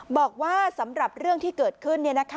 บอกว่าสำหรับเรื่องที่เกิดขึ้น